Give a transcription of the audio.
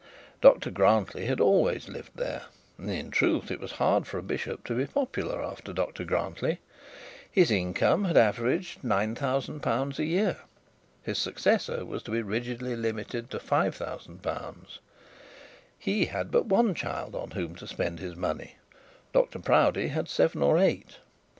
Dr Grantly had always lived there; and in truth it was hard for a bishop to be popular after Dr Grantly. His income had averaged L 9000 a year; his successor was to be rigidly limited to L 5000. He had but one child on whom to spend his money; Dr Proudie had seven or eight.